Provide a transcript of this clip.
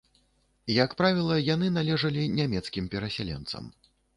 Як правіла, яны належылі нямецкім перасяленцам.